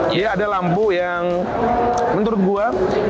dia ada lampu yang menurut gue